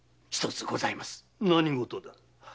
何事だ？